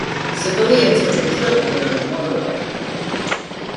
Civilians have been killed near the motorway.